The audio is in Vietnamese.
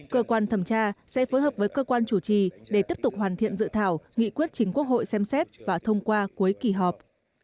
cơ quan thẩm tra sẽ phối hợp với cơ quan chủ trì để tiếp tục hoàn thiện dự thảo nghị quyết chính quốc hội xem xét và thông qua cuối kỳ họp